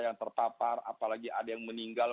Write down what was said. yang terpapar apalagi ada yang meninggal